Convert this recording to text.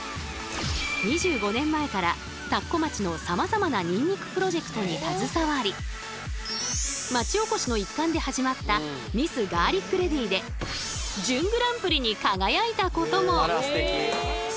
２５年前から田子町のさまざまなニンニクプロジェクトに携わり町おこしの一環で始まった「ミスガーリックレディー」でそうなんか。